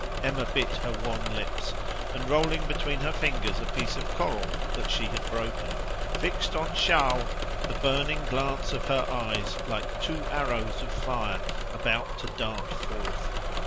Emma bit her wan lips, and rolling between her fingers a piece of coral that she had broken, fixed on Charles the burning glance of her eyes like two arrows of fire about to dart forth.